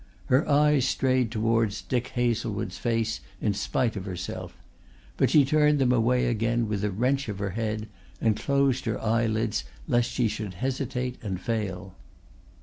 Her eyes strayed towards Dick Hazlewood's face in spite of herself, but she turned them away again with a wrench of her head and closed her eyelids lest she should hesitate and fail.